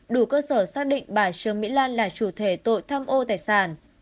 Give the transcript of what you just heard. đủ cơ sở xác định bà trương mỹ lan là chủ thể tội tham ô tài sản